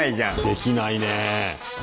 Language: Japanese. できないね。